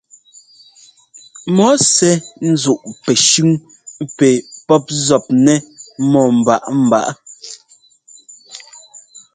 Mɔ sɛ́ ńzúꞌ pɛshʉ́ŋ pɛ pɔ́p zɔpnɛ́ mɔ́ mbaꞌámbaꞌá.